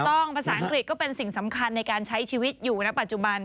ภาษาอังกฤษก็เป็นสิ่งสำคัญในการใช้ชีวิตอยู่ณปัจจุบัน